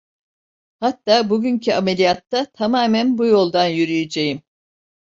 Hatta bugünkü ameliyatta tamamen bu yoldan yürüyeceğim.